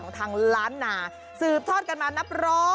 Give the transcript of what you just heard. ขอบคุณครับ